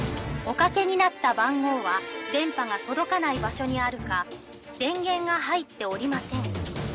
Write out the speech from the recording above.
おかけになった番号は電波が届かない場所にあるか電源が入っておりません。